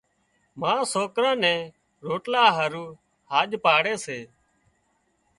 ما سوڪران نين روٽلا هارُو هاڄ پاڙي سي۔